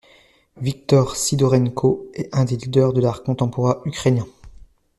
Victor Sydorenko est un des leaders de l’art contemporain ukrainien.